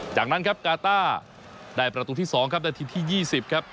จากนั้นครับกาต้าได้ประตูที่๒ครับนาทีที่๒๐ครับ